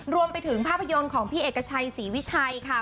รวมไปถึงภาพยนตร์ของพี่เอกชัยศรีวิชัยค่ะ